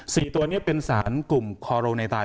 ตัวนี้เป็นสารกลุ่มคอโรในไตน